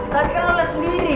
tadi kan lo liat sendiri